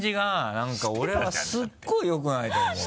何か俺はすごいよくないと思う。